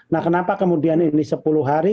nah kenapa kemudian ini sepuluh hari